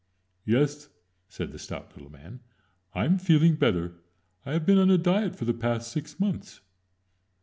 "Yes," said the stout little man, "I'm feeling better. I've been on a diet for the past six months."